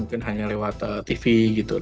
mungkin hanya lewat tv gitu